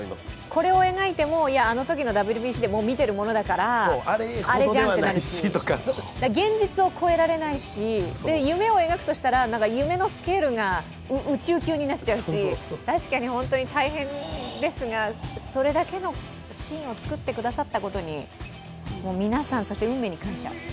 これを描いても、あのときのＷＢＣで見ているものだから現実を超えられないし夢を描くとしたら夢のスケールが宇宙級になっちゃうし、確かに大変ですがそれだけのシーンを作ってくださったことに、皆さんに、運命に感謝。